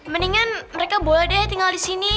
mendingan mereka boleh deh tinggal di sini